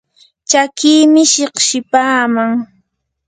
chakiimi shiqshipaaman